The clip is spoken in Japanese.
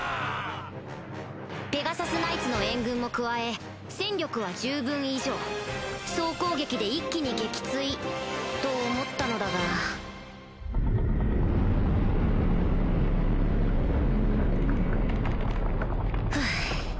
ペガサスナイツの援軍も加え戦力は十分以上総攻撃で一気に撃墜と思ったのだがフゥ。